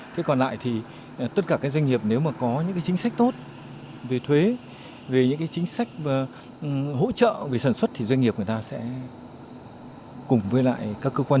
thế còn lại thì tất cả các doanh nghiệp nếu mà có những cái chính sách tốt về thuế về những cái chính sách hỗ trợ về sản xuất thì doanh nghiệp người ta sẽ cùng với lại các cơ quan